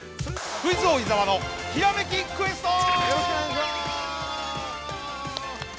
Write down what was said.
◆クイズ王・伊沢のひらめきクエストー！